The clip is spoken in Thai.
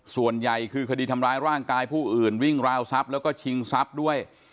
ส่วนใหญ่คือคดีทำร้ายร่างกายผู้อื่นวิ่งราวทรัพย์แล้วก็ชิงทรัพย์ด้วย